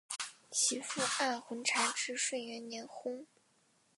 其父按浑察至顺元年薨。